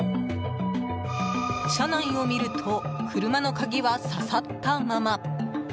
車内を見ると車の鍵は挿さったまま。